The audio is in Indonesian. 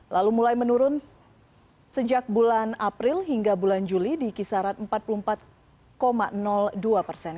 lalu mulai menurun sejak bulan april hingga bulan juli di kisaran empat puluh empat dua persen